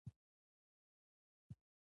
له لاسونو څخه يې دستکشې ایسته کړې.